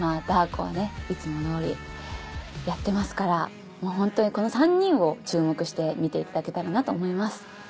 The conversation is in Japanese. ダー子はねいつもどおりやってますからホントにこの３人を注目して見ていただけたらなと思います。